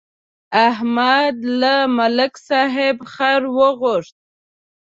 احمد له ملک صاحب خر وغوښت.